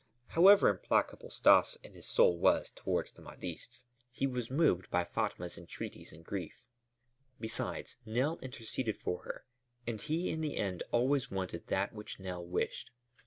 However implacable Stas in his soul was towards the Mahdists, he was moved by Fatma's entreaties and grief. Besides, Nell interceded for her and he in the end always wanted that which Nell wished.